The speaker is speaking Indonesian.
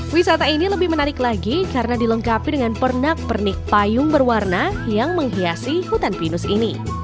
wisata ini lebih menarik lagi karena dilengkapi dengan pernak pernik payung berwarna yang menghiasi hutan pinus ini